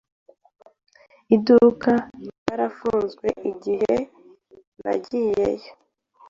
Iduka ryarafunzwe igihe nagiyeyo.